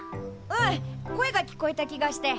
うん声が聞こえた気がして。